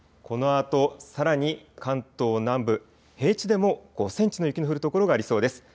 このあとさらに関東南部平地でも５センチの雪の降る所がありそうです。